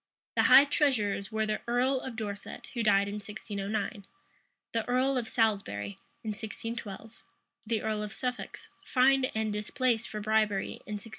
The high treasurers were the earl of Dorset, who died in 1609, the earl of Salisbury, in 1612; the earl of Suffolk, fined and displaced for bribery in 1618.